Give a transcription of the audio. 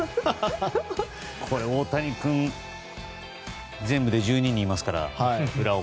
これ、大谷君が裏表で全部で１２人いますから。